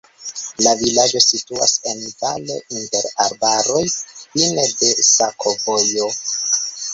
La vilaĝo situas en valo inter arbaroj, fine de sakovojo.